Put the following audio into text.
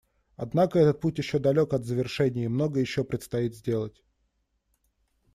Однако этот путь еще далек от завершения и многое еще предстоит сделать.